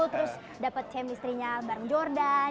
terus dapet team listrinya bareng jordan